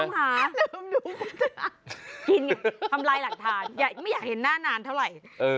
กินไงทำลายหลักฐานไม่อยากเห็นหน้านานเท่าไหร่